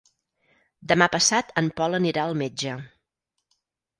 Demà passat en Pol anirà al metge.